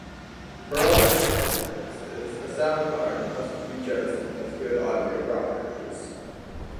For all measurement purposes a sound card must be chosen with good audio properties.